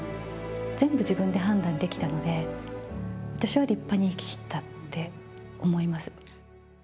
全部自分で判断できたので、私は立派に生き切ったって思います。